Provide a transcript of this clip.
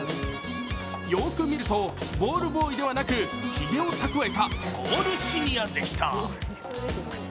よーく見ると、ボールボーイではなくひげを蓄えたボールシニアでした。